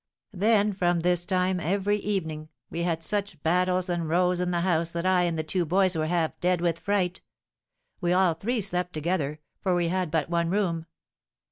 Then, from this time, every evening, we had such battles and rows in the house that I and the two boys were half dead with fright. We all three slept together, for we had but one room.